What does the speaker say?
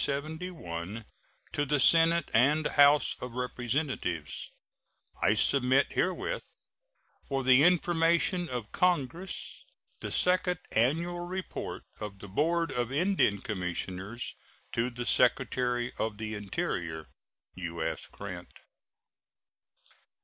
To the Senate and House of Representatives: I submit herewith, for the information of Congress, the second annual report of the Board of Indian Commissioners to the Secretary of the Interior. U.S. GRANT.